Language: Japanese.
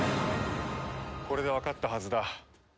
これでわかったはずだ。